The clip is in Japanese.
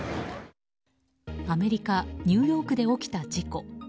アメリカ・ニューヨークで起きた事故。